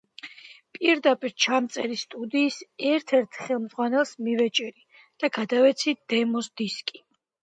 პირდაპირ ჩამწერი სტუდიის ერთ-ერთ ხელმძღვანელს მივეჭერი და გადავეცი დემო დისკი.